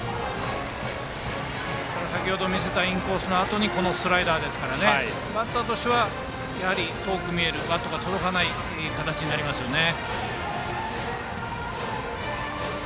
先程見せたインコースのあとにこのスライダーですからバッターとしては遠く見えるバットが届かない形になりますね。